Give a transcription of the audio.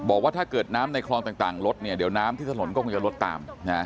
บอกว่าถ้าเกิดน้ำในคลองต่างลดเนี่ยเดี๋ยวน้ำที่ถนนก็คงจะลดตาม